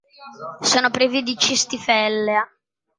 Sono privi di cistifellea.